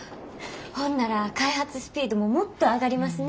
ほんなら開発スピードももっと上がりますね。